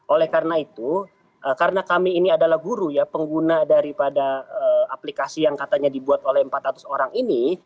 oleh karena itu karena kami ini adalah guru ya pengguna daripada aplikasi yang katanya dibuat oleh empat ratus orang ini